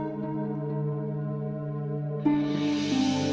tuh kita ke kantin dulu gi